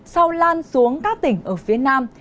sau lan xuống các tỉnh ở phía nam